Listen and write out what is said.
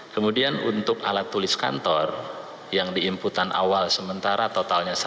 kemudian untuk alat tulis kantor yang di inputan awal sementara totalnya rp satu ratus tiga puluh empat miliar